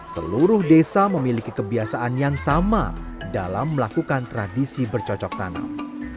seluruh desa memiliki kebiasaan yang sama dalam melakukan tradisi bercocok tanam